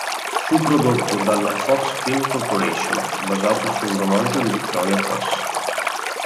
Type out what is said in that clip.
Fu prodotto dalla Fox Film Corporation, basato su un romanzo di Victoria Cross.